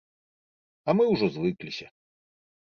А мы ўжо звыкліся.